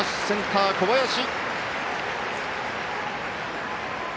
センター、小林。